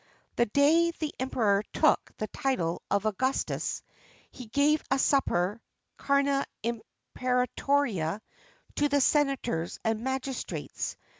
[XXX 26] The day the Emperor took the title of Augustus, he gave a supper (cœna imperatoria) to the senators and magistrates.